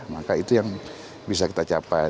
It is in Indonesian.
maka itu yang bisa kita capai